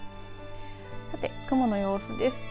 さて雲の様子です。